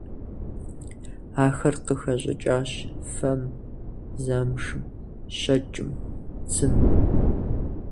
Ахэр къыхэщӏыкӏащ фэм, замшым, щэкӏым, цым.